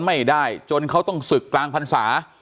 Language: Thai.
ไม่ได้จนเขาต้องศึกกลางพรรษา